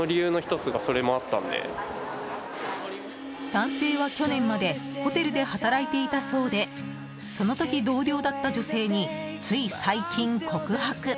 男性は去年までホテルで働いていたそうでその時、同僚だった女性につい最近、告白。